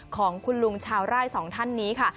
ของคุณลุงชาวไร่สองท่านนี้ค่ะ